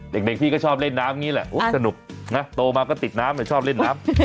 เด็กพี่ก็ชอบเล่นน้ำอย่างนี้แหละสนุกนะโตมาก็ติดน้ำชอบเล่นน้ำ